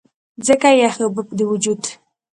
ځکه چې يخې اوبۀ د وجود